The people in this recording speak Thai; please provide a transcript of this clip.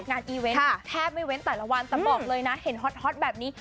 อีเวนต์แทบไม่เว้นแต่ละวันแต่บอกเลยนะเห็นฮอตแบบนี้